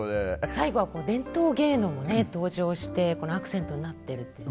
最後は伝統芸能もね登場してこのアクセントになってるっていうね。